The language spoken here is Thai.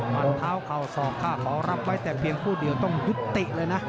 มันเท้าขาวสอกขาวรับไว้แต่เพียงคู่เดียวต้องดุ๊ดติ